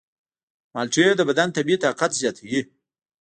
مالټې د بدن طبیعي طاقت زیاتوي.